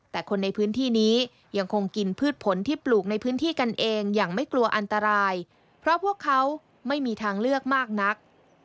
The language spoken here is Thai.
แต่คนในพื้นที่นี้ยังคงกินพืชผลที่ปลูกในพื้นที่กันเองอย่างไม่กลัวอันตรายเพราะพวกเขาไม่มีทางเลือกมากนัก